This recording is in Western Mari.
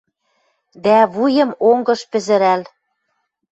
Дӓ, вуем онгыш пӹзӹрӓл